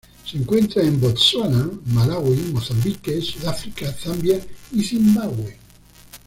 Se encuentra en Botsuana, Malaui, Mozambique, Sudáfrica, Zambia y Zimbabue.